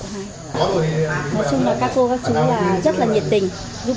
nói chung là các cô các chú rất là nhiệt tình giúp đỡ